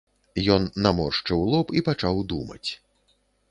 Ён наморшчыў лоб і пачаў думаць.